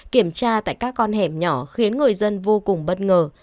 kiểm tra tại các con hẻm nhỏ khiến người dân vô cùng bất ngờ